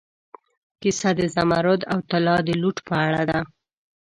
کیسه د زمرد او طلا د لوټ په اړه ده.